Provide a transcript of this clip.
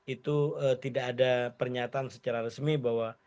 itu tidak ada pernyataan secara resmi bahwa